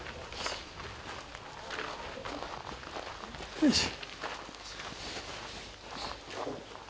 よいしょ。